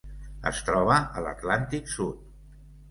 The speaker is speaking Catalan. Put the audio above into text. Es troba a l'Atlàntic sud.